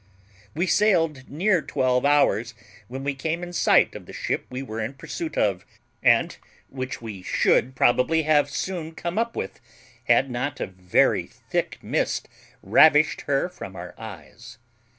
"We sailed near twelve hours, when we came in sight of the ship we were in pursuit of, and which we should probably have soon come up with had not a very thick mist ravished her from our eyes.